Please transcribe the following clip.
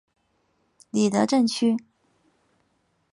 里德镇区。